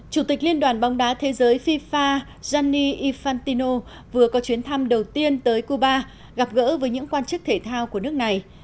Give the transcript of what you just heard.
chủ tịch liên đoàn bóng đá thế giới fifa jani ifantino vừa có chuyến thăm đầu tiên tới cuba gặp gỡ với những quan chức thể thao của nước này